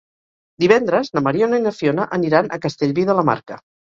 Divendres na Mariona i na Fiona aniran a Castellví de la Marca.